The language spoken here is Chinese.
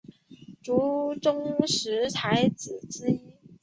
闽中十才子之一。